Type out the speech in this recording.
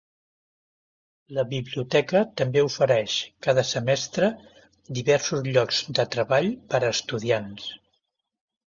La biblioteca també ofereix cada semestre diversos llocs de treball per a estudiants.